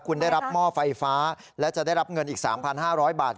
คุณได้รับหม้อไฟฟ้าและจะได้รับเงินอีก๓๕๐๐บาท